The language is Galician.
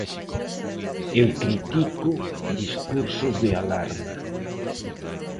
Eu critico discursos de alarma.